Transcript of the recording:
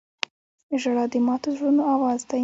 • ژړا د ماتو زړونو آواز دی.